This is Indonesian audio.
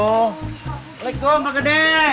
assalamualaikum pak gede